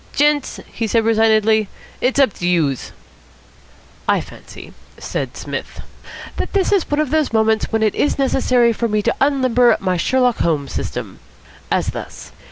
"Gents," he said resignedly, "it's up to youse." "I fancy," said Psmith, "that this is one of those moments when it is necessary for me to unlimber my Sherlock Holmes system. As thus.